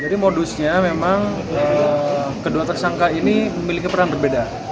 jadi modusnya memang kedua tersangka ini memiliki peran berbeda